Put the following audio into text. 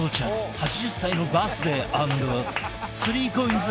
８０歳のバースデー＆３ＣＯＩＮＳ